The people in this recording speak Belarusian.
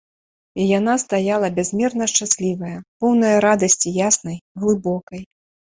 І яна стаяла бязмерна шчаслівая, поўная радасці яснай, глыбокай.